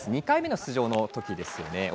２回目の出場のときですね。